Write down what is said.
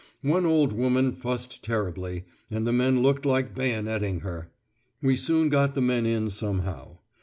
One old woman fussed terribly, and the men looked like bayoneting her! We soon got the men in somehow.